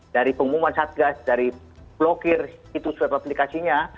dari pengumuman satgas dari blokir situs web aplikasinya